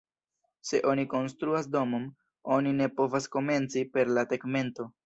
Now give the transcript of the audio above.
Se oni konstruas domon, oni ne povas komenci per la tegmento.